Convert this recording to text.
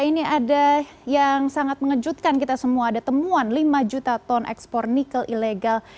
ini ada yang sangat mengejutkan kita semua ada temuan lima juta ton ekspor nikel ilegal